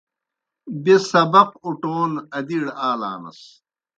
بیْہ سبق اُٹون ادِیڑ آلانَس۔